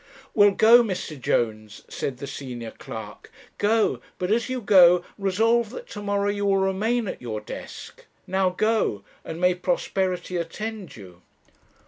"'Well, go, Mr. Jones,' said the senior clerk, 'go, but as you go, resolve that to morrow you will remain at your desk. Now go, and may prosperity attend you!'